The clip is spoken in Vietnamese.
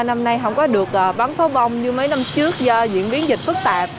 năm nay không có được bắn pháo bông như mấy năm trước do diễn biến dịch phức tạp